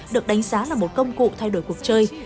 được đánh giá là một công cụ thay đổi cuộc chơi